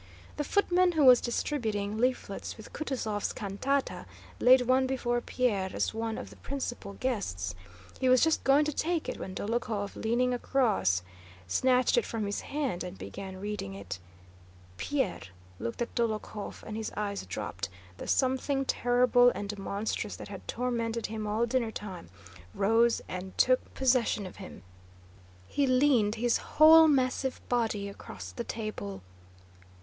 The footman, who was distributing leaflets with Kutúzov's cantata, laid one before Pierre as one of the principal guests. He was just going to take it when Dólokhov, leaning across, snatched it from his hand and began reading it. Pierre looked at Dólokhov and his eyes dropped, the something terrible and monstrous that had tormented him all dinnertime rose and took possession of him. He leaned his whole massive body across the table.